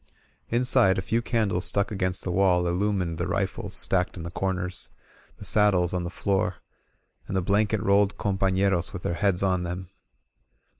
Inside, a few candles stuck against the wall illumined the rifles stacked in the comers, the sad dles on the floor, and the blanket rolled companeros with their heads on them.